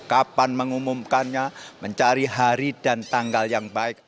kapan mengumumkannya mencari hari dan tanggal yang baik